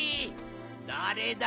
だれだ？